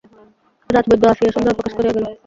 রাজবৈদ্য আসিয়া সন্দেহ প্রকাশ করিয়া গেল।